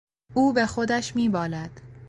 او به خودش میبالد.